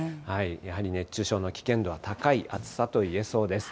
やはり熱中症の危険度は高い暑さと言えそうです。